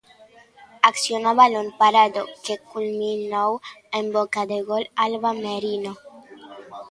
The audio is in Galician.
Acción a balón parado que culminou en boca de gol Alba Merino.